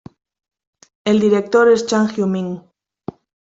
El director es Chung Hyung-min.